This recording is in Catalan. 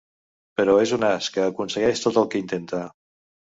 Però és un as, que aconsegueix tot el que intenta.